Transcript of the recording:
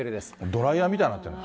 ドライヤーみたいになってるの。